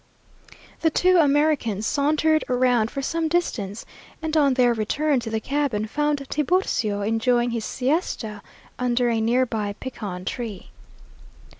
The two Americans sauntered around for some distance, and on their return to the cabin found Tiburcio enjoying his siesta under a near by pecan tree.